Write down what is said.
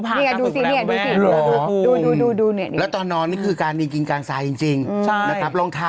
ขนาดดูสวยขนาดนี้หนูว่าพากลักษมมติทางเรียนนะคุณแม่